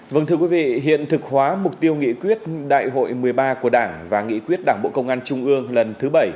vâng thưa quý vị hiện thực hóa mục tiêu nghị quyết đại hội một mươi ba của đảng và nghị quyết đảng bộ công an trung ương lần thứ bảy